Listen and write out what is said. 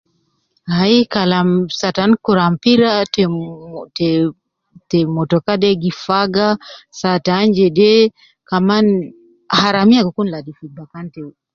Aii, kalam saa tan kura mpira te, wu, te te motoka de gi faga, saa tan jede, kaman haramiya gi kun ladi fi bakan te